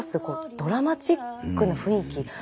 こうドラマチックな雰囲気。